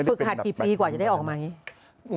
หัดกี่ปีกว่าจะได้ออกมาอย่างนี้